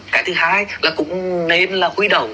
cái thứ hai là cũng nên là huy động